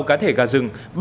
sáu cá thể gà rừng